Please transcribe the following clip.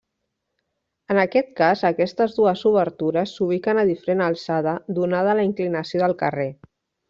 En aquest cas, aquestes dues obertures s'ubiquen a diferent alçada donada la inclinació del carrer.